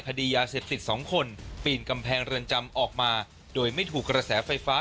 คดียาเสพติดสองคนปีนกำแพงเรือนจำออกมาโดยไม่ถูกกระแสไฟฟ้า